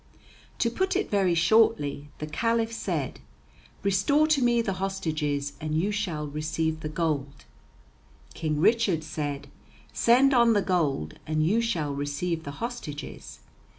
To put it very shortly, the Caliph said, "Restore to me the hostages and you shall receive the gold"; King Richard said, "Send on the gold and you shall receive the hostages."